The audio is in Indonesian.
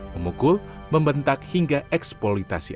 memukul membentak hingga eksploitasi